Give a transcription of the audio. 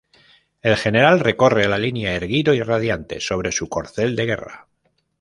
El general recorre la línea, erguido y radiante, sobre su corcel de guerra.